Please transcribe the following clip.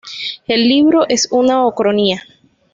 El libro es una ucronía.